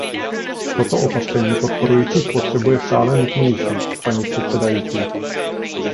Toto opatření podporující spotřebu je stále nutnější, paní předsedající.